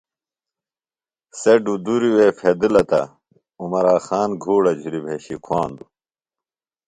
سےۡ ڈُدُروے بھیدِلہ تہ عُمرا خان گھوڑہ جھلیۡ بھیشیۡ اُکھاندوۡ